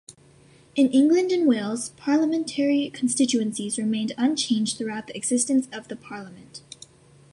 In England and Wales parliamentary constituencies remained unchanged throughout the existence of the Parliament.